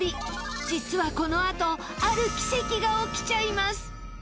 実はこのあとある奇跡が起きちゃいます！